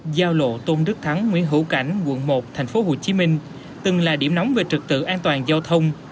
giao lộ tôn đức thắng nguyễn hữu cảnh quận một thành phố hồ chí minh từng là điểm nóng về trực tự an toàn giao thông